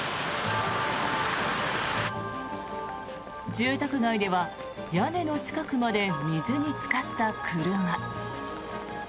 住宅街では屋根の近くまで水につかった車。